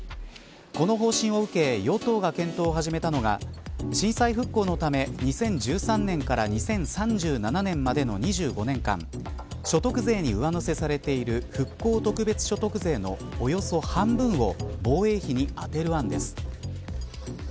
この方針を受け与党が検討を始めたのが震災復興のため２０１３年から２０３７年までの２５年間所得税に上乗せされている復興特別所得税のおよそ半分を防衛費に充てる案です。